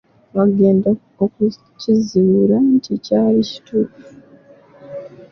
Bagenda okukizuula nti kyali kituufu.